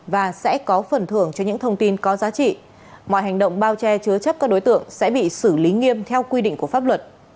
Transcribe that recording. và sẽ có phần thưởng cho những thông tin có giá trị mọi hành động bao che chứa chấp các đối tượng sẽ bị xử lý nghiêm theo quy định của pháp luật